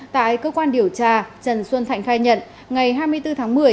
tại cơ quan điều tra trần xuân thạnh khai nhận ngày hai mươi bốn tháng một mươi